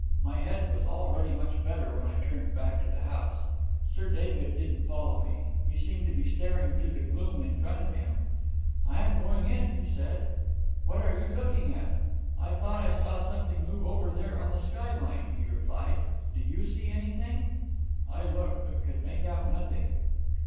My head was already much better when I turned back into the house; Sir David didn't follow me; he seemed to be staring through the gloom in front of him. 'I am going in,' I said. 'What are you looking at?' 'I thought I saw something move over there on the skyline,' he replied; 'do you see anything?' I looked, but could make out nothing.